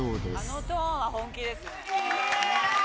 あのトーンは本気ですね。